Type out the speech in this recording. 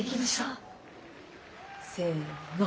せの。